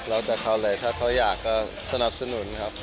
แล้วแต่เขาเลยถ้าเขาอยากก็สนับสนุนครับ